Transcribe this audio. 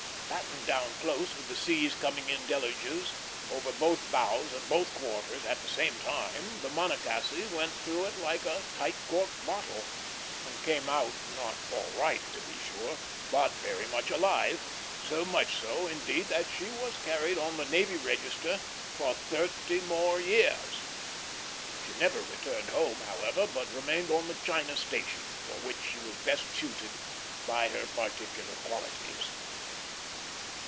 Battened down close, with the seas coming in deluges over both bows and both quarters at the same time, the Monocacy went through it like a tight corked bottle, and came out, not all right, to be sure, but very much alive; so much so, indeed, that she was carried on the Navy Register for thirty years more. She never returned home, however, but remained on the China station, for which she was best suited by her particular qualities.